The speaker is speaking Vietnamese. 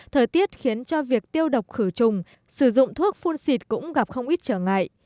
thời tiết khiến cho việc tiêu độc khử trùng sử dụng thuốc phun xịt cũng gặp không ít trở ngại